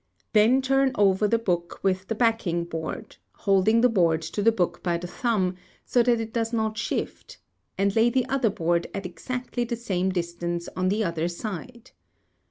Then |49| turn over the book, with the backing board, holding the board to the book by the thumb, so that it does not shift, and lay the other board at exactly the same distance on the other side.